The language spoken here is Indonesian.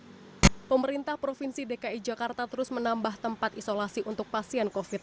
hai pemerintah provinsi dki jakarta terus menambah tempat isolasi untuk pasien kofit